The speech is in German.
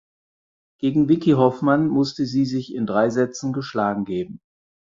Gegen Vicki Hoffmann musste sie sich in drei Sätzen geschlagen geben.